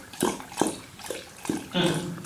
砗磲蛤属为砗磲亚科之下两个属之一。